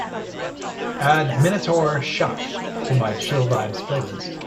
add Minotaur Shock to my Chill Vibes playlist